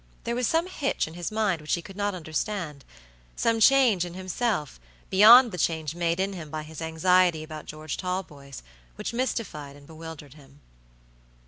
There was some hitch in his mind which he could not understand; some change in himself, beyond the change made in him by his anxiety about George Talboys, which mystified and bewildered him.